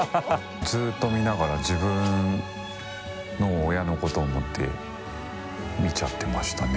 ずっと見ながら自分の親のことを思って見ちゃってましたね。